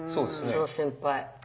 その先輩。